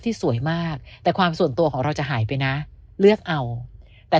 สวยมากแต่ความส่วนตัวของเราจะหายไปนะเลือกเอาแต่